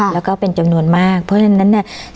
แล้วก็เป็นจำนวนมากเพราะฉะนั้นเนี่ย